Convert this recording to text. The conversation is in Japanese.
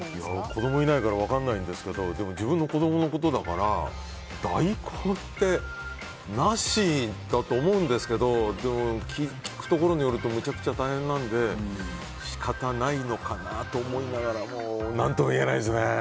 子供いないから分からないんですけどでも、自分の子供のことだから代行ってなしだと思うんですけど聞くところによるとめちゃくちゃ大変なので仕方ないのかなと思いながら何ともいえないですね。